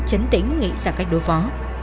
chấn tĩnh nghĩ ra cách đối phó